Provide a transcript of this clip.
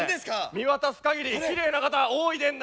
見渡すかぎりきれいな方多いでんな。